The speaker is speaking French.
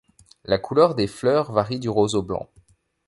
La couleur des fleurs varie du rose au blanc.